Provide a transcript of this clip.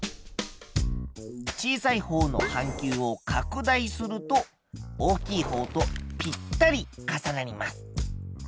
小さいほうの半球を拡大すると大きいほうとぴったり重なります。